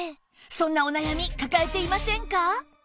そんなお悩み抱えていませんか？